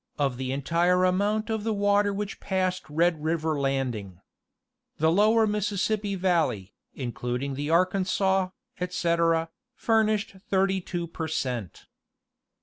of the entire amount of the water which passed Red River Landing. The lower Mississippi valley, including the Arkansas, etc., furnished 32 per cent.